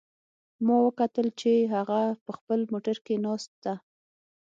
ما وکتل چې هغه په خپل موټر کې ناست ده